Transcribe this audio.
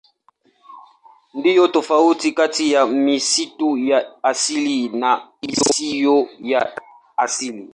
Ndiyo tofauti kati ya misitu ya asili na isiyo ya asili.